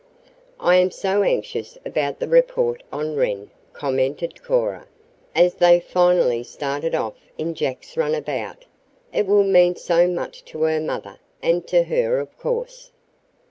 "I am so anxious about the report on Wren," commented Cora, as they finally started off in Jack's runabout. "It will mean so much to her mother, and to her, of course."